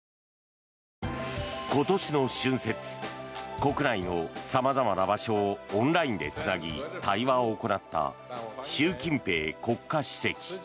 国内の様々な場所をオンラインでつなぎ対話を行った習近平国家主席。